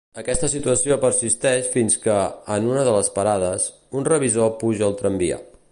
Aquesta situació persisteix fins que, en una de les parades, un revisor puja al tramvia.